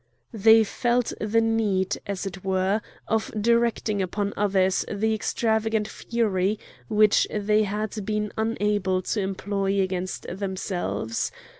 They felt the need, as it were, of directing upon others the extravagant fury which they had been unable to employ against themselves.